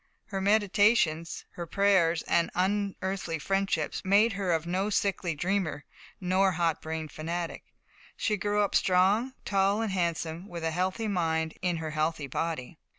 Her meditations, her prayers and unearthly friendships, made of her no sickly dreamer nor hot brained fanatic. She grew up strong, tall and handsome, with a healthy mind in her healthy body.